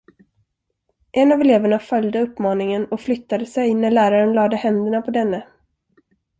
En av eleverna följde uppmaningen och flyttade sig när läraren lade händerna på denne.